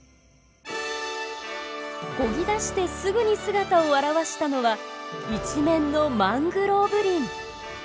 こぎだしてすぐに姿を現したのは一面のマングローブ林。